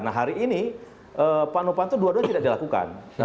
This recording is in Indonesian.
nah hari ini pak nopanto dua dua tidak dilakukan